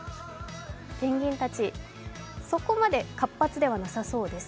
ペンギンたち、そこまで活発ではなさそうです。